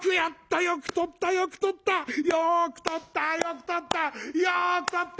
よくとったよくとったって」。